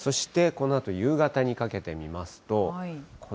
そしてこのあと夕方にかけて見ますと。